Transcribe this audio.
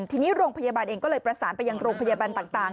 ทีนี้โรงพยาบาลเองก็เลยประสานไปยังโรงพยาบาลต่าง